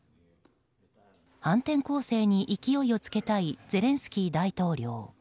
反転攻勢に勢いをつけたいゼレンスキー大統領。